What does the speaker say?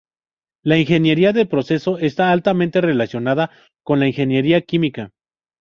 La ingeniería de procesos está altamente relacionada con la ingeniería química.